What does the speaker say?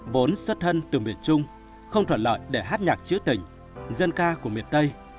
vốn xuất thân từ miền trung không thuận lợi để hát nhạc trữ tình dân ca của miền tây